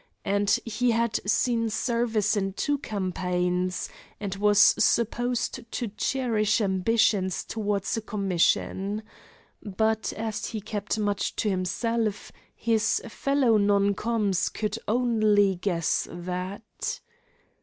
And he had seen service in two campaigns, and was supposed to cherish ambitions toward a commission. But, as he kept much to himself, his fellow non coms could only guess that.